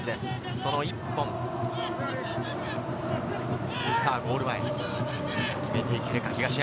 その１本、ゴール前、決めていけるか東山。